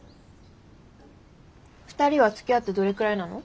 ２人はつきあってどれくらいなの？